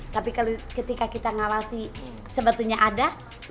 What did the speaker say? tapi ketika kita ngawasi sebetulnya ada